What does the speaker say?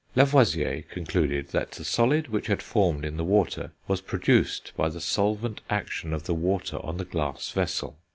Lavoisier concluded that the solid which had formed in the water was produced by the solvent action of the water on the glass vessel.